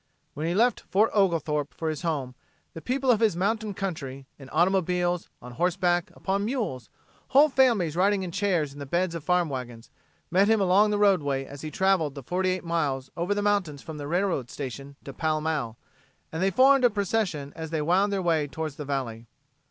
When he left Fort Oglethorpe for his home, the people of his mountain country, in automobiles, on horseback, upon mules, whole families riding in chairs in the beds of farm wagons, met him along the roadway as he traveled the forty eight miles over the mountains from the railroad station to Pall Mall, and they formed a procession as they wound their way toward the valley.